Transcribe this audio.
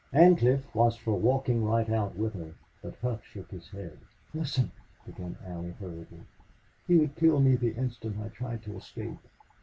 Ancliffe was for walking right out with her, but Hough shook his head. "Listen," began Allie, hurriedly. "He would kill me the instant I tried to escape.